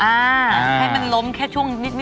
ให้มันล้มแค่ช่วงนิด